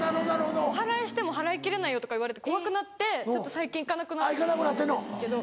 おはらいしてもはらいきれないよとか言われて怖くなってちょっと最近行かなくなったんですけど。